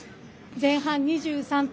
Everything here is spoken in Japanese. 前半２３分。